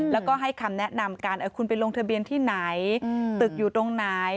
แล้วก็ให้คำแนะนำกันคุณไปลงทะเบียนที่ไหนตึกอยู่ตรงไหน